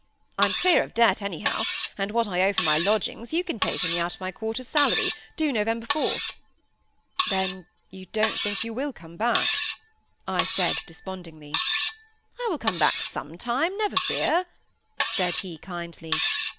I'm clear of debt anyhow; and what I owe for my lodgings you can pay for me out of my quarter's salary, due November 4th." "Then you don't think you will come back?" I said, despondingly. "I will come back some time, never fear," said he, kindly.